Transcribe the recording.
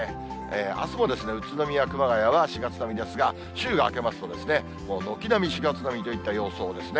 あすも宇都宮、熊谷は４月並みですが、週が明けますと、もう軒並み４月並みといった様相ですね。